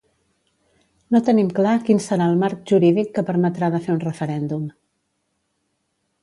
No tenim clar quin serà el marc jurídic que permetrà de fer un referèndum.